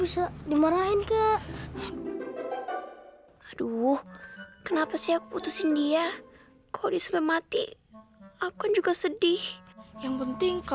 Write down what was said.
sampai jumpa di video selanjutnya